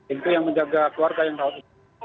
itu yang menjaga warga yang rawat enak